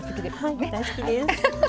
はい大好きです。